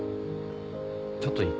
ちょっといい？